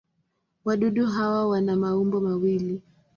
Wadudu hawa wana maumbo mawili.